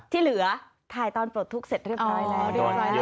ที่เหลือถ่ายตอนปลดทุกข์เสร็จเรียบร้อยแล้ว